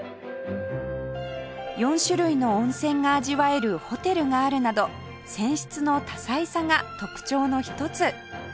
４種類の温泉が味わえるホテルがあるなど泉質の多彩さが特徴の一つ